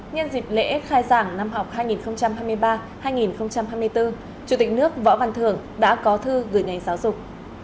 nhân dịp lễ khai giảng năm học hai nghìn hai mươi ba hai nghìn hai mươi bốn chủ tịch nước võ văn thường đã có thư gửi ngành giáo dục